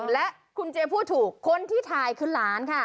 และคุณเจพูดถูกคนที่ถ่ายคือหลานค่ะ